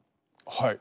はい。